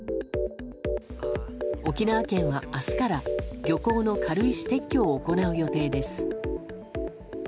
沖縄県は明日から漁港の軽石撤去を行う予定です。